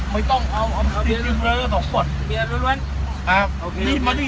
ไม่ต้องเอาเบี้ยร้อน